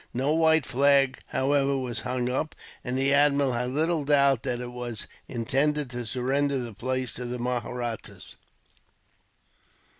No white flag, however, was hung up, and the admiral had little doubt that it was intended to surrender the place to the Mahrattas.